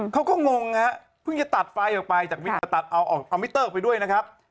เขาก็งงเพิ่งจะตัดไฟออกไปจากมิเตอร์ไปด้วยนะครับ